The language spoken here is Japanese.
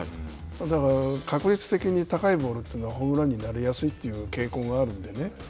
だから、確率的に高いボールというのはホームランになりやすいという傾向があるのでね